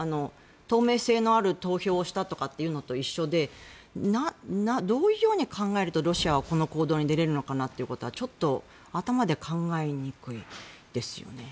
透明性のある投票をしたというのと一緒でどういうように考えるとロシアはこんな行動に出れるのかということはちょっと頭で考えにくいですよね。